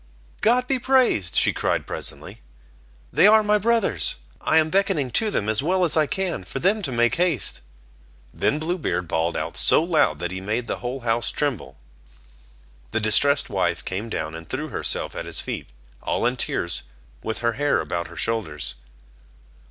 "God be praised," she cried presently, "they are my brothers; I am beckoning to them, as well as I can, for them to make haste." Then Blue Beard bawled out so loud, that he made the whole house tremble. The distressed wife came down, and threw herself at his feet, all in tears, with her hair about her shoulders.